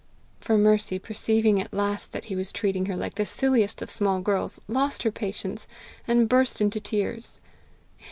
For Mercy, perceiving at last that he was treating her like the silliest of small girls, lost her patience, and burst into tears.